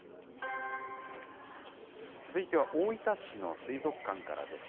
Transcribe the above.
続いては大分市の水族館からです。